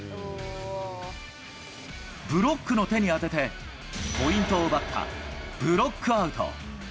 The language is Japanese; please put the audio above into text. ブロックの手に当てて、ポイントを奪ったブロックアウト。